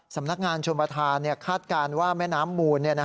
สำนักงานชมประธานคาดการณ์ว่าแม่น้ำมูล